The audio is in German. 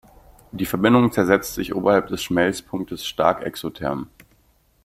Die Verbindung zersetzt sich oberhalb des Schmelzpunktes stark exotherm.